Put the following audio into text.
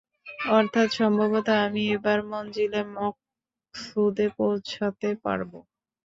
অর্থাৎ সম্ভবত আমি এবার মনযিলে মকসুদে পৌঁছতে পারব।